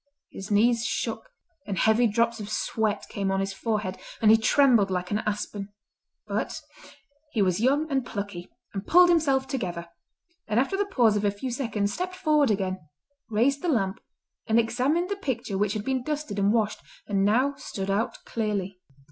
His knees shook, and heavy drops of sweat came on his forehead, and he trembled like an aspen. But he was young and plucky, and pulled himself together, and after the pause of a few seconds stepped forward again, raised the lamp, and examined the picture which had been dusted and washed, and now stood out clearly.